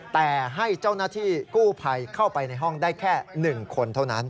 แต่ให้เจ้าหน้าที่กู้ภัยเข้าไปในห้องได้แค่๑คนเท่านั้น